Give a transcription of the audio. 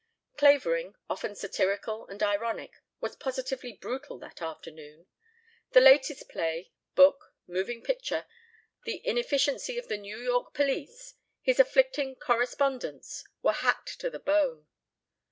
Clavering, often satirical and ironic, was positively brutal that afternoon. The latest play, book, moving picture, the inefficiency of the New York police, his afflicting correspondents, were hacked to the bone.